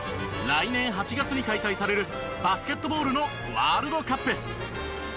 来年８月に開催されるバスケットボールのワールドカップ。